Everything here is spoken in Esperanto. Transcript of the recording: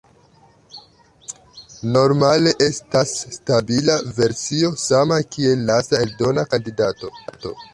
Normale estas stabila versio sama kiel lasta eldona kandidato.